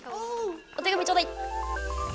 お手紙ちょうだい！